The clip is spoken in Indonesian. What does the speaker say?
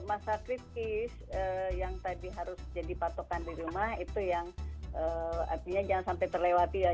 masa kritis yang tadi harus jadi patokan di rumah itu yang artinya jangan sampai terlewati ya